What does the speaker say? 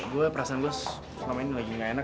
gua perasaan gua sama ini lagi nggak enak